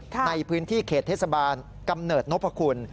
ในพื้นที่เขตเทศบาลกำเนิดนพคุณ